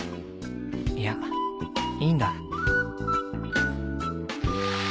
いやいいんだ。